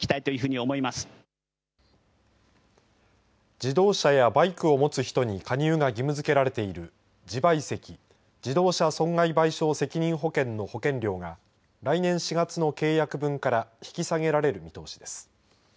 自動車やバイクを持つ人に加入が義務づけられている自賠責自動車損害賠償責任保険の保険料が来年４月の契約分から引き下げられる見通しです。